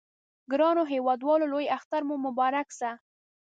ګرانو هیوادوالو لوی اختر مو مبارک شه!